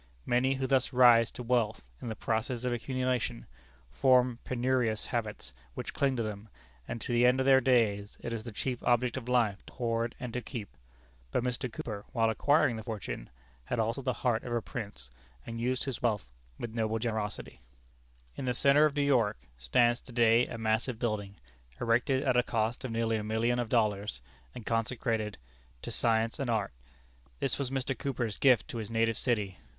Many who thus rise to wealth, in the process of accumulation, form penurious habits which cling to them, and to the end of their days it is the chief object of life to hoard and to keep. But Mr. Cooper, while acquiring the fortune, had also the heart of a prince; and used his wealth with a noble generosity. In the centre of New York stands to day a massive building, erected at a cost of nearly a million of dollars, and consecrated "To Science and Art." This was Mr. Cooper's gift to his native city.